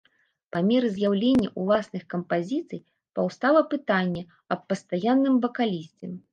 Па меры з'яўлення ўласных кампазіцый паўстала пытанне аб пастаянным вакалісце.